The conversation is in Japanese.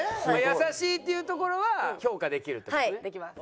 優しいっていうところは評価できるって事ですね。